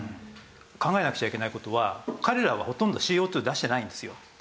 考えなくちゃいけない事は彼らはほとんどＣＯ２出してないんですよ。